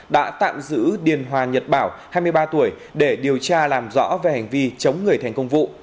đã tạm giữ điền hòa nhật bảo hai mươi ba tuổi để điều tra làm rõ về hành vi chống người thành công vụ